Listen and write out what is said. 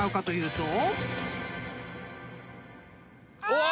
うわ！